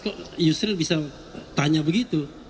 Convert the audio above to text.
kok yusril bisa tanya begitu